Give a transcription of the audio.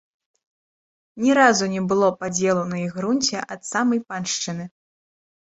Ні разу не было падзелу на іх грунце ад самай паншчыны.